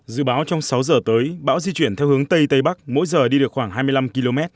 dự báo trong sáu giờ tới bão di chuyển theo hướng tây tây bắc mỗi giờ đi được khoảng hai mươi năm km